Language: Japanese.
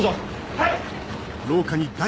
はい！